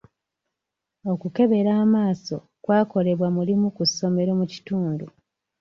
Okukebera amaaso kwakolebwa mu limu ku ssomero mu kitundu.